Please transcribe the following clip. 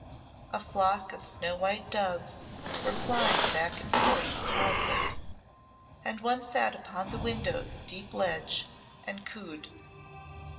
A flock of snow white doves were flying back and forth across it, and one sate upon the window's deep ledge and cooed.